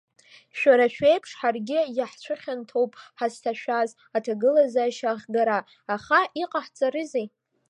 Шәара шәеиԥш ҳаргьы иаҳцәыхьанҭоуп ҳазҭашәаз аҭагылазаашьа ахгара, аха иҟаҳҵарызеи…